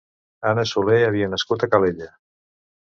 Anna Soler havia nascut a Calella.